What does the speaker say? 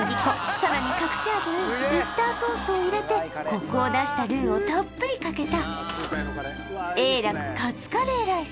さらに隠し味にウスターソースを入れてコクを出したルーをたっぷりかけた